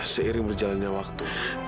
seiring berjalannya waktu